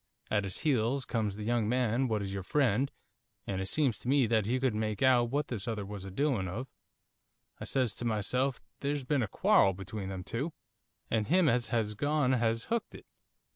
At his heels comes the young man what is your friend, and it seems to me that he couldn't make out what this other was a doing of. I says to myself, "There's been a quarrel between them two, and him as has gone has hooked it."